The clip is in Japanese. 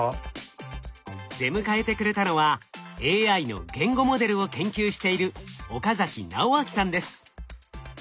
出迎えてくれたのはＡＩの言語モデルを研究している岡直観さんです。